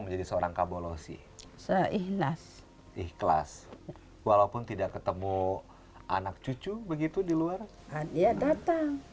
menjadi seorang kabolosi seikhlas ikhlas walaupun tidak ketemu anak cucu begitu di luar hadiah datang